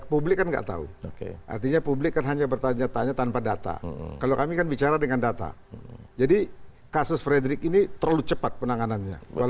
publik kan nggak tahu artinya publik kan hanya bertanya tanya tanpa data kalau kami kan bicara dengan data jadi kasus frederick ini terlalu cepat penanganannya